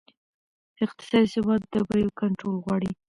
اقتصادي ثبات د بیو کنټرول غواړي.